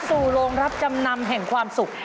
สู่โรงรับจำนำแห่งความสุข